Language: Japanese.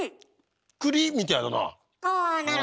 くりみたいだな。